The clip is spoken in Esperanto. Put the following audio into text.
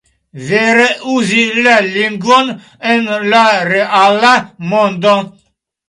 Vere uzi la lingvon en la reala mondo."